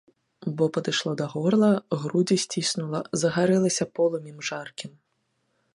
Бо падышло да горла, грудзі сціснула, загарэлася полымем жаркім.